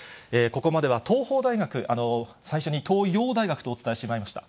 ここまでは東邦大学、最初にとうよう大学とお伝えしてしまいました。